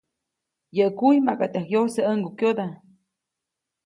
Yäʼ kuy makaʼt yajkyose ʼäŋgukyoda.